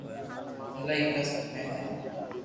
ايلائي ڪسٽ ۾ ھي